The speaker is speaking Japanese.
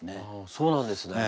そうなんですね。